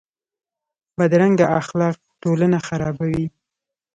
بدرنګه اخلاق ټولنه خرابوي